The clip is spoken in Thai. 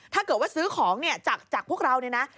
ถ้าเกิดว่าซื้อของเนี่ยจากพวกเราเนี่ยนะ